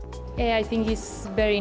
saya pikir ini sangat baru